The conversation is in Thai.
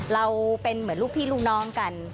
เราเป็นเหมือนลูกพี่ลูกน้องกัน